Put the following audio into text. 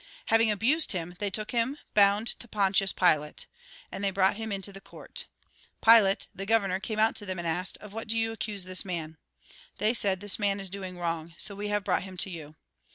Having abused him, they took him, bound, to Pontius Pilate. And they brought him into the court. Pilate, the governor, came out to them and asked :" Of what do you accuse this man ?" They said :" This man is doing wrong ; so we have brought him to you."